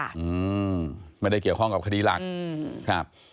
อืมไม่ได้เกี่ยวข้องกับคดีหลัก